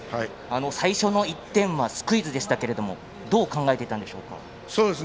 最初の１点はスクイズでしたけどもどう考えていたんでしょうか。